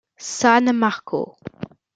San Marco.